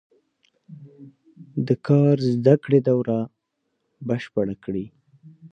د کار زده کړې دوره بشپړه کړي.